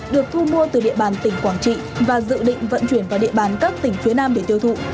được thu mua từ địa bàn tỉnh quảng trị và dự định vận chuyển vào địa bàn các tỉnh phía nam để tiêu thụ